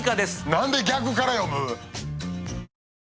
なんで逆から読む？！